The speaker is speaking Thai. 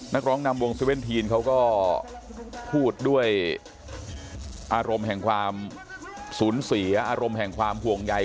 นักร้องนำวง๑๑ทีนเขาก็พูดด้วยอารมณ์แห่งความสูญเสียอารมณ์แห่งความห่วงใย